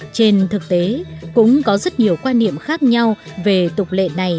trên thực tế cũng có rất nhiều quan niệm khác nhau về tục lệ này